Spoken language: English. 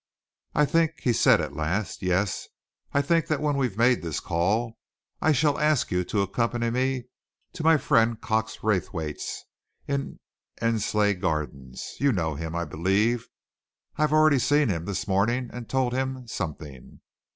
"I think," he said at last, "yes, I think that when we've made this call, I shall ask you to accompany me to my friend Cox Raythwaite's, in Endsleigh Gardens you know him, I believe. I've already seen him this morning and told him something.